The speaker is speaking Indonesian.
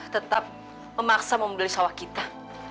tetap memaksa membeli sawah kita